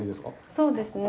そうですね。